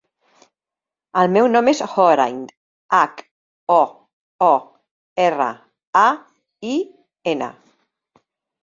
El meu nom és Hoorain: hac, o, o, erra, a, i, ena.